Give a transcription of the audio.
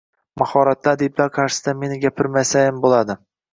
Mahoratli adiblar qarshisida meni gapirmasayam bo‘ladi.